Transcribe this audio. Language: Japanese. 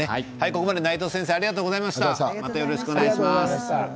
ここまで内藤先生ありがとうございました。